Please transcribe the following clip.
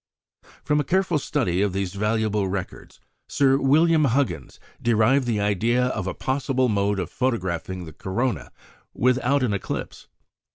From a careful study of these valuable records Sir William Huggins derived the idea of a possible mode of photographing the corona without an eclipse.